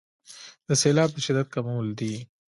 د سیلاب د شدت کمول دي.